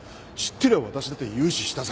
てりゃ私だって融資したさ。